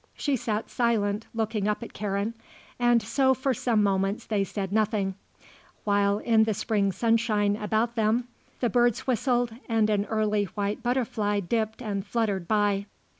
She sat silent, looking up at Karen, and so for some moments they said nothing, while in the spring sunshine about them the birds whistled and an early white butterfly dipped and fluttered by.